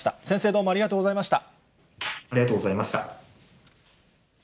先生、どうもありがとうございま